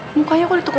mukanya kok ditukar